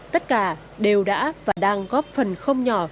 tất cả đều đã và đang góp phần không nhỏ